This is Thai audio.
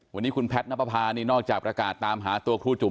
วันนี้คุณแพทย์นับประพานี่นอกจากประกาศตามหาตัวครูจุ๋ม